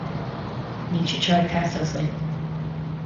Níl siad seo ag teastáil uainn.